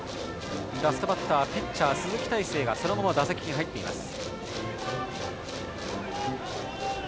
ラストバッターピッチャーの鈴木泰成がそのまま打席に入っています。